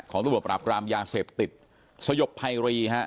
ของตำรวจประหลาบกรามยาเสพติดสยบไพรีฮะ